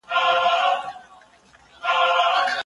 دا معلومات د انټرنیټ له لارې خپاره شول.